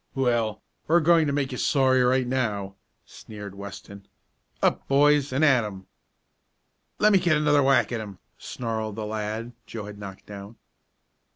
"Well, we're going to make you sorry right now," sneered Weston. "Up boys, and at 'em!" "Let me get another whack at him!" snarled the lad Joe had knocked down.